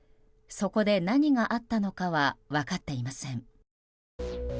そこで何があったのかは分かっていません。